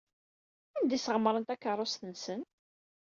Anda ay sɣemren takeṛṛust-nsen?